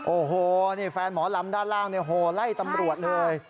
โอ้โหนี่แฟนหมอลำด้านล่างเนี่ยโหไล่ตำรวจเลย